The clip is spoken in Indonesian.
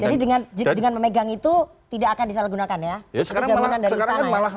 jadi dengan memegang itu tidak akan disalahgunakan ya